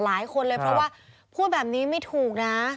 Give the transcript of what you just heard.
หลายคนเลยเพราะว่าพูดแบบนี้ไม่ถูกนะ